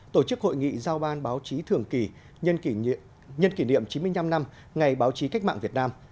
tổ chức hội nghị giao ban báo chí thường kỳ nhân kỷ niệm chín mươi năm năm ngày báo chí cách mạng việt nam